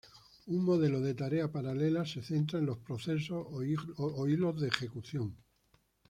Un modelo de tarea paralela se centra en los procesos o hilos de ejecución.